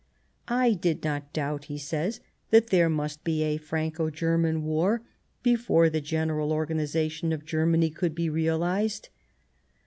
" I did not doubt," he says, " that there must be a Franco German War before the general organiza tion of Germany could be realized."